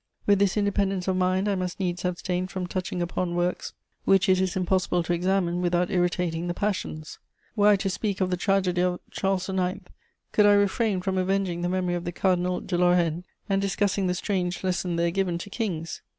With this independence of mind, I must needs abstain from touching upon works which it is impossible to examine without irritating the passions. Were I to speak of the tragedy of Charles IX, could I refrain from avenging the memory of the Cardinal de Lorraine and discussing the strange lesson there given to Kings?